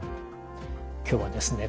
今日はですね